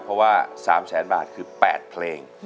เพราะว่า๓แสนบาทคือ๘เพลง